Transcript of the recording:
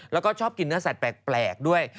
แล้วก็ชอบกินเนื้อสัตว์แปลกด้วย